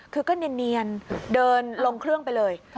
คือก็เนียนเดินลงเครื่องไปเลย